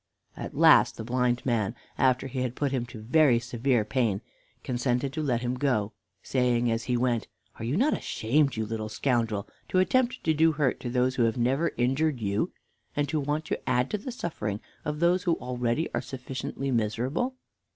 At last the blind man, after he had put him to very severe pain, consented to let him go, saying as he went: "Are you not ashamed, you little scoundrel, to attempt to do hurt to those who have never injured you, and to want to add to the suffering of those who already are sufficiently miserable?